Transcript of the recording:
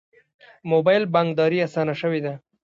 موبایل بانکداري اسانه شوې ده